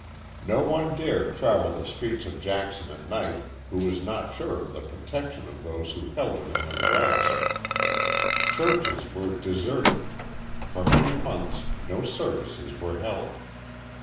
No one dared travel the streets of Jackson at night who was not sure of the protection of those who held it in their grasp. Churches were deserted; for many months no services were held.